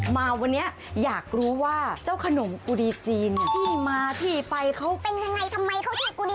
มาวันนี้อยากรู้ว่าเจ้าขนมกุดีจีนที่มาที่ไปเขาเป็นยังไงทำไมเขาชื่อกูดี